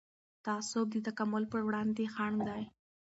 تعصب د تکامل پر وړاندې خنډ دی